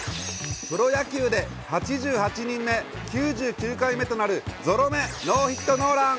プロ野球で８８人目、９９回目となるぞろ目ノーヒットノーラン。